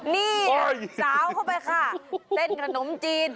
นี่สาวเข้าไปค่ะเต้นขนมจีน